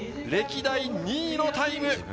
歴代２位のタイム。